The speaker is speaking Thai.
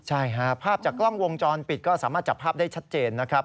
ใช่ฮะภาพจากกล้องวงจรปิดก็สามารถจับภาพได้ชัดเจนนะครับ